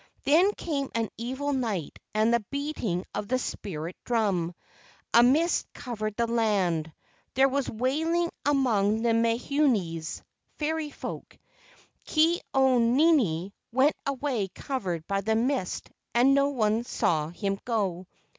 Then came an evil night and the beating of the spirit drum. A mist covered the land. There was wailing among the menehunes (fairy folk). Ke au nini went away covered by the mist, and no one saw him go.